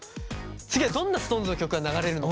次はどんなＳｉｘＴＯＮＥＳの曲が流れるのか。